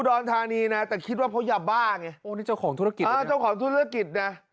โอ้นี่เจ้าของธุรกิจเหรอเนี่ยโอ้นี่เจ้าของธุรกิจเหรอเนี่ย